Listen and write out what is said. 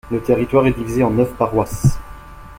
Le territoire est divisé en neuf paroisses.